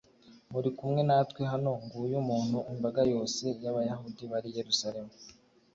muri kumwe natwe hano nguyu umuntu imbaga yose y Abayahudi bari i Yerusalemu